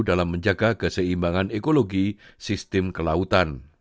dalam menjaga keseimbangan ekologi sistem kelautan